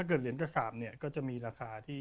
เกิดเหรียญกระสาปเนี่ยก็จะมีราคาที่